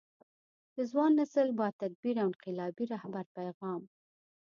د ځوان نسل با تدبیره او انقلابي رهبر پیغام